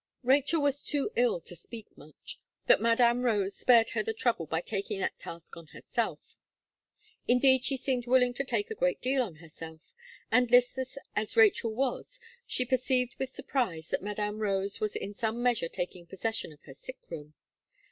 Rachel was too ill to speak much; but Madame Rose spared her the trouble by taking that task on herself; indeed, she seemed willing to take a great deal on herself, and listless as Rachel was, she perceived with surprise that Madame Rose was in some measure taking possession of her sick room.